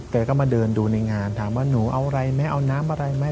แกก็มาเดินดูในงานถามว่าหนูเอาอะไรไหมเอาน้ำอะไรไหม